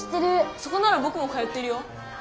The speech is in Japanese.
そこならぼくも通ってるよ。